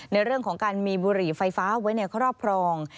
ในเรื่องของการมีบุหรี่ไฟฟ้าไว้ในครอบครอง